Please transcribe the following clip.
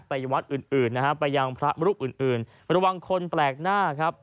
ไปวัดอื่นไปยังพระลูกอื่นระวังคนแปลกหน้าครับ